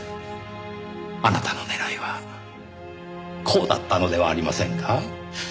あなたの狙いはこうだったのではありませんか？